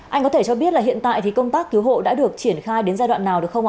anh có thể cho biết là hiện tại thì công tác cứu hộ đã được triển khai đến giai đoạn nào được không ạ